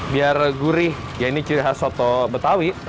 biar gurih ya ini ciri khas soto betawi